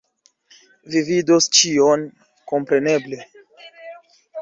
Vi vidos ĉion, kompreneble